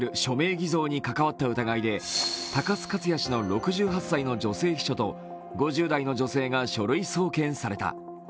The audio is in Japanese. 偽造に関わった疑いで高須克弥氏の６８歳の女性秘書と５０代の女性が書類送検された。